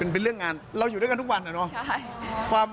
เป็นเรื่องงานเราอยู่ด้วยกันทุกวันอะเนาะ